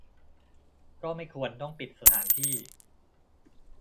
ก็ไม่ควรต้องปิดสถานที่